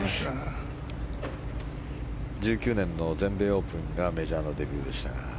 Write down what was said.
２０１９年の全米オープンがメジャーのデビューでしたが。